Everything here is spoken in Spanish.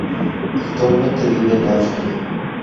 Actualmente vive en Austria.